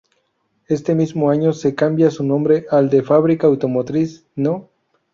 Este mismo año se cambia su nombre al de Fábrica Automotriz No.